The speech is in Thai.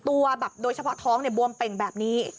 ตัวโดยเฉพาะท้องบวมเป็นแบบนี้